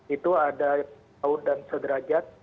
itu ada tau dan sederajat